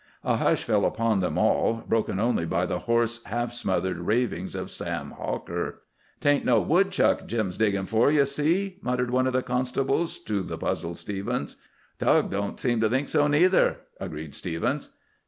A hush fell upon them all, broken only by the hoarse, half smothered ravings of Sam Hawker. "'Tain't no woodchuck Jim's diggin' for, you see!" muttered one of the constables to the puzzled Stephens. "Tug don't seem to think so, neither," agreed Stephens.